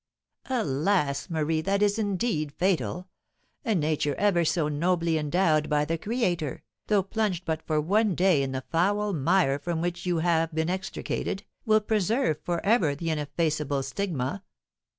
'" "Alas! Marie, that is indeed fatal! A nature ever so nobly endowed by the Creator, though plunged but for one day in the foul mire from which you have been extricated, will preserve for ever the ineffaceable stigma."